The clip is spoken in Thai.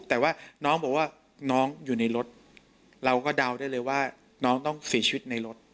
แต่ว่าน้องบอกว่าน้องอยู่ในรถเราก็เดาได้เลยว่าน้องต้องเสียชีวิตในรถ